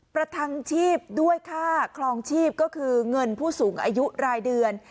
ประทังชีพด้วยค่าครองชีพก็คือเงินผู้สูงอายุรายเดือน